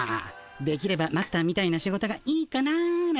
できればマスターみたいな仕事がいいかななんて。